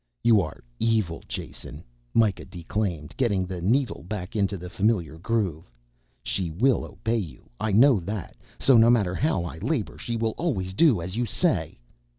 "You are evil, Jason," Mikah declaimed, getting the needle back into the familiar groove. "She will obey you, I know that, so no matter how I labor she will always do as you say."